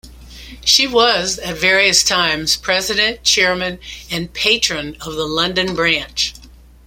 She was at various times president, chairman and patron of the London branch.